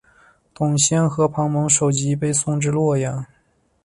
董宪和庞萌首级被送至洛阳。